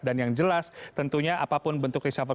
dan yang jelas tentunya apapun bentuk reshuffle